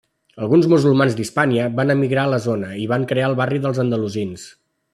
Alguns musulmans d'Hispània van emigrar a la zona i van crear el barri dels Andalusins.